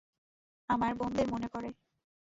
আমার বোনদের মনে পড়ে।